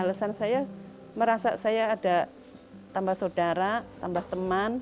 alasan saya merasa saya ada tambah saudara tambah teman